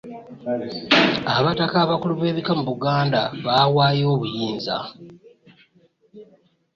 Abataka abakulu b'ebika mu Buganda baawaayo obuyinza.